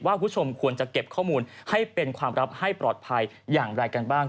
คุณผู้ชมควรจะเก็บข้อมูลให้เป็นความลับให้ปลอดภัยอย่างไรกันบ้าง